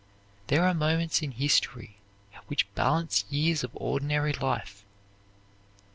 There are moments in history which balance years of ordinary life.